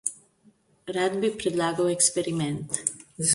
Rad bi predlagal eksperiment.